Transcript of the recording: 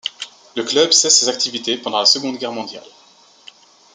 Le club cesse ses activités pendant la Seconde Guerre mondiale.